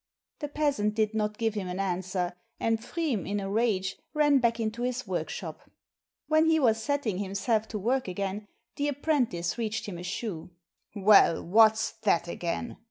The peasant did not give him an answer, and Pfriem in a rage ran back into his workshop. When he was setting himself to work again, the apprentice reached him a shoe. "Well, what's that again?"